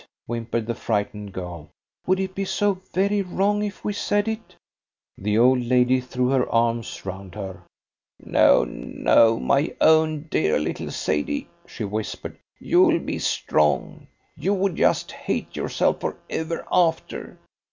whimpered the frightened girl. "Would it be so very wrong if we said it?" The old lady threw her arms round her. "No, no, my own dear little Sadie," she whispered. "You'll be strong! You would just hate yourself for ever after.